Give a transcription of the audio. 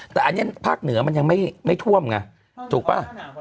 แต่อันนี้ภาคเหนือมันยังไม่ท่วมไงถูกป่ะ